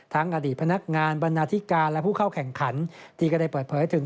อดีตพนักงานบรรณาธิการและผู้เข้าแข่งขันที่ก็ได้เปิดเผยถึง